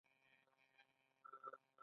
ایا مهاجرت مو کړی؟